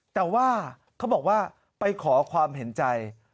แต่ว่าเขาบอกว่าไปขอความเห็นใจ